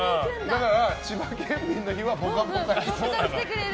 だから千葉県民の日は「ぽかぽか」に。